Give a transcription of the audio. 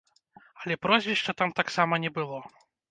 Але прозвішча там таксама не было.